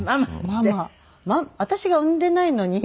私が産んでいないのに。